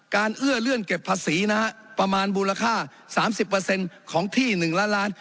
เอื้อเลื่อนเก็บภาษีนะฮะประมาณมูลค่า๓๐ของที่๑ล้านล้าน